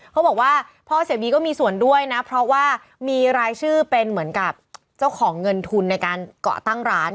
เขาบอกว่าพ่อเสียบีก็มีส่วนด้วยนะเพราะว่ามีรายชื่อเป็นเหมือนกับเจ้าของเงินทุนในการเกาะตั้งร้าน